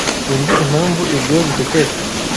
Sinzi impamvu ibyo bisekeje.